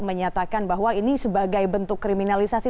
menyatakan bahwa ini sebagai bentuk kriminalisasi